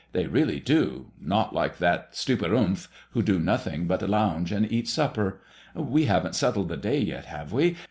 They really do; not like that stupid — ^th, who do nothing but lounge and eat supper. We haven't settled the day yet, have we?